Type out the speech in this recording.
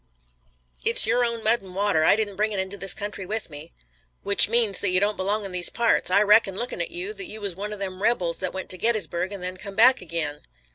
"It's your own mud and water. I didn't bring it into this country with me." "Which means that you don't belong in these parts. I reckon lookin' at you that you wuz one o' them rebels that went to Gettysburg and then come back ag'in."